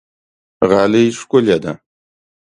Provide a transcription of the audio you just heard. غالۍ ښکلې ده.